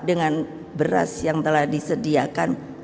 dengan beras yang telah disediakan